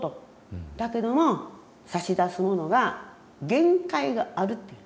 だけども差し出すものが限界があるって。